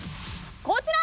こちら！